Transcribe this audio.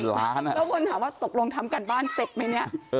แล้วคนถามว่าตกลงทำการบ้านเสร็จไหมเนี่ย